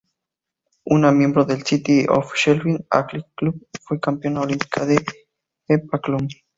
Una miembro de la City of Sheffield Athletic Club, fue campeona olímpica de heptatlón.